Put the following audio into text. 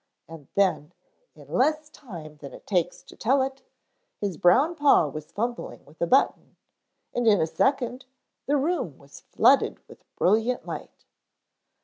And then, in less time than it takes to tell it, his brown paw was fumbling with a button and in a second the room was flooded with brilliant light.